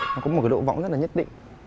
nó có một cái độ võng rất là nhất định